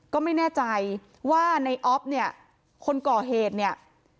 ก็ไม่แน่ใจว่าในออฟเนี่ยคนก่อเหตุเนี่ย